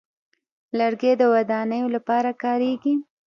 لرګی د ودانیو لپاره کارېږي.